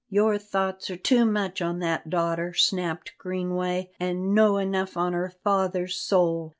"Your thoughts are too much on that daughter," snapped Greenway, "an' no' enough on her father's soul."